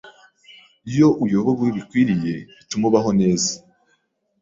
Iyo uyobowe uko bikwiriye bituma ubaho neza